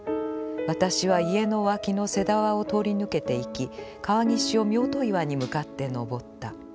私は家の脇のせだわを通り抜けて行き、川岸をミョート岩に向かって昇った。